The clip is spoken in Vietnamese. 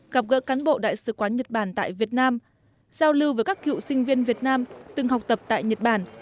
gặp gỡ cán bộ đại sứ quán nhật bản tại việt nam giao lưu với các cựu sinh viên việt nam từng học tập tại nhật bản